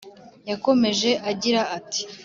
yakomeje agira ati: